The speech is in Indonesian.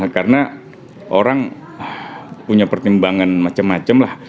karena orang punya pertimbangan macem macem lah